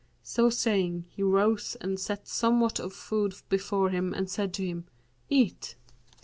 So saying, he rose and set somewhat of food before him and said to him, 'Eat.'